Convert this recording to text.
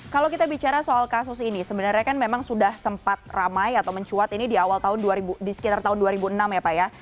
kalau kita bicara soal kasus ini sebenarnya kan memang sudah sempat ramai atau mencuat ini di awal tahun di sekitar tahun dua ribu enam ya pak ya